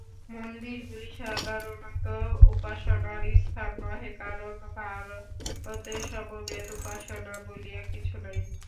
মন্দিরগুলি সাধারণ উপাসনার স্থান নহে, কারণ ভারতে সমবেত উপাসনা বলিয়া কিছু নাই।